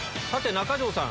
中条さん